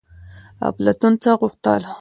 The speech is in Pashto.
افلاطون څه غوښتل؟